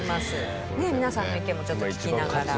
ねえ皆さんの意見もちょっと聞きながら。